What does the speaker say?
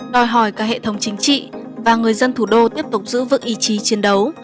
đòi hỏi cả hệ thống chính trị và người dân thủ đô tiếp tục giữ vững ý chí chiến đấu